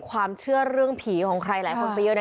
ความเชื่อเรื่องผีของใครหลายคนไปเยอะนะ